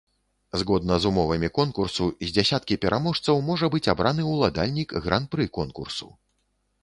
Згодна з умовамі конкурсу, з дзясяткі пераможцаў можа быць абраны уладальнік гран-пры конкурсу.